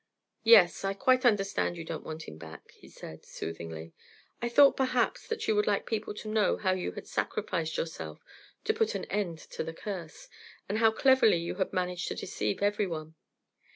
"Yes, I quite understand you don't want him back," he said, soothingly. "I thought, perhaps, that you would like people to know how you had sacrificed yourself to put an end to the curse, and how cleverly you had managed to deceive every one.